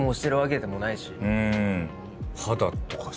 肌とかさ。